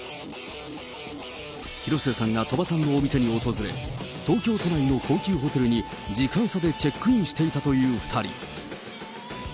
広末さんが鳥羽さんのお店に訪れ、東京都内の高級ホテルに時間差でチェックインしていたという２人。